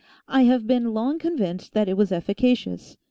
I have been long convinced that it was efficacious.